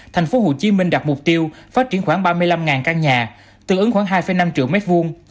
tp hcm đạt mục tiêu phát triển khoảng ba mươi năm căn nhà tương ứng khoảng hai năm triệu m hai